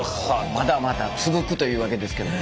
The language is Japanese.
まだまだ続くというわけですけれども。